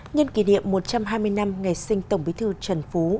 nhân kỷ niệm một trăm hai mươi năm ngày sinh tổng bí thư trần phú